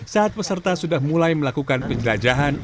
saat peserta sudah mulai melakukan penjelajahan